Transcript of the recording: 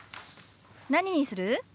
何にする？